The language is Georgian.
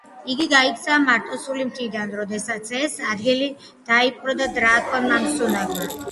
იგი გაიქცა მარტოსული მთიდან, როდესაც ეს ადგილი დაიპყრო დრაკონმა სმაუგმა.